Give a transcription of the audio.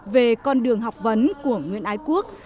về con đường học vấn của nguyễn ái quốc